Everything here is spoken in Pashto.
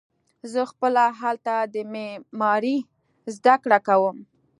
زه خپله هلته د معمارۍ زده کړه کوم.